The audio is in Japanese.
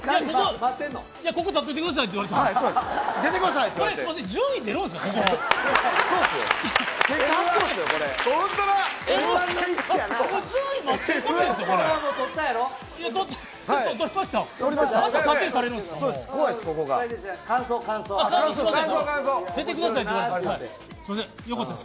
ここ立っといてくださいって言われたんで。